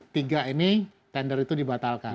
tiga ini tender itu dibatalkan